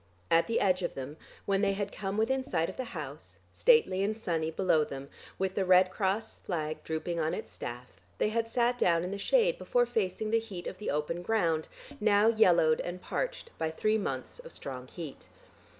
At the edge of them, when they had come within sight of the house, stately and sunny below them, with the Red Cross flag drooping on its staff, they had sat down in the shade before facing the heat of the open ground now yellowed and parched by three months of strong heat.